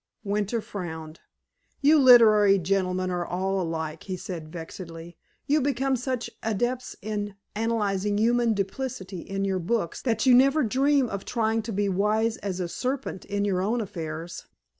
Winter frowned. "You literary gentlemen are all alike," he said vexedly. "You become such adepts in analyzing human duplicity in your books that you never dream of trying to be wise as a serpent in your own affairs.